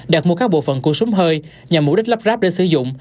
đặt mua các bộ phận của súng hơi nhằm mục đích lắp ráp để sử dụng